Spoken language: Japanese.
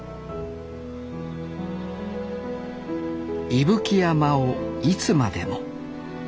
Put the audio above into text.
伊吹山をいつまでも。